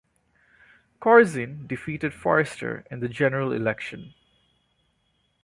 Corzine defeated Forrester in the general election.